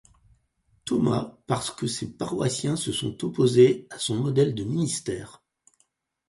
Thomas parce que ses paroissiens se sont opposés à son modèle de ministère.